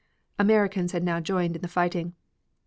Americans had now joined in the fighting.